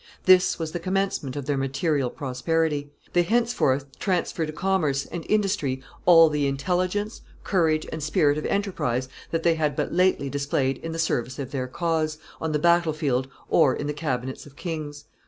This was the commencement of their material prosperity; they henceforth transferred to commerce and, industry all the intelligence, courage, and spirit of enterprise that they had but lately displayed in the service of their cause, on the battle field or in the cabinets of kings.